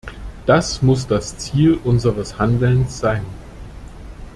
Das muss das Ziel unseres Handelns sein.